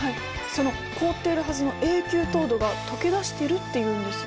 その凍っているはずの永久凍土が溶け出してるっていうんです。